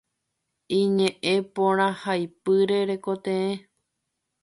Iñe'ẽporãhaipyre rekotee.